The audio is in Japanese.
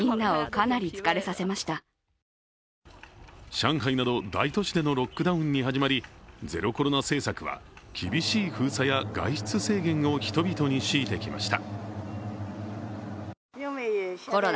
上海など大都市でのロックダウンに始まりゼロコロナ政策は、厳しい封鎖や外出制限を人々に強いてきました。